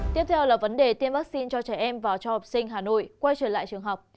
tiếp theo là vấn đề tiêm vaccine cho trẻ em và cho học sinh hà nội quay trở lại trường học